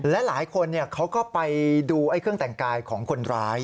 และหลายคนเขาก็ไปดูเครื่องแต่งกายของคนร้าย